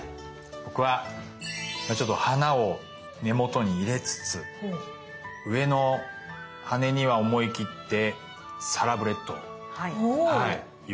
僕はちょっと花を根元に入れつつ上の羽には思い切ってサラブレッド横顔を入れました。